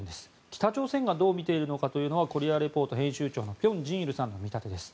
北朝鮮がどう見ているのかというのは「コリア・レポート」編集長の辺真一さんの見立てです。